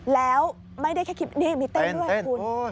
แล้วไม่ได้แค่คลิปนี้มีเต้นด้วยคุณ